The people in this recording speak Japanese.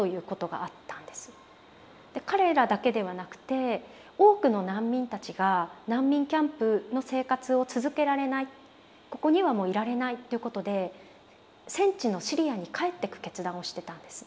彼らだけではなくて多くの難民たちが難民キャンプの生活を続けられないここにはもういられないということで戦地のシリアに帰っていく決断をしてたんです。